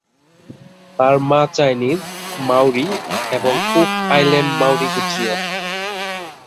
তার মা Chinese, Maori এবং কুক আইল্যান্ড মাওরি গোত্রীয়।